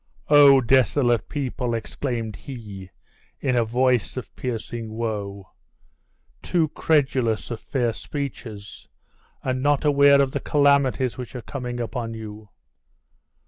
"Oh! desolate people," exclaimed he, in a voice of piercing woe, "too credulous of fair speeches, and not aware of the calamities which are coming upon you!